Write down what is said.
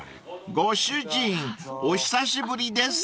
［ご主人お久しぶりです］